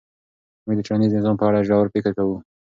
موږ د ټولنیز نظام په اړه ژور فکر کوو.